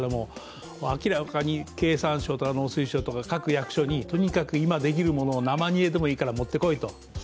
明らかに経産省とか農水省とか各役所にとにかく今できるものを生煮えでいいから持ってこいと。